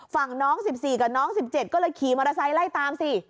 ฝั่งน้องสิบสี่กับน้องสิบเจ็ดก็เลยขี่มอเตอร์ไซส์ไล่ตามสิ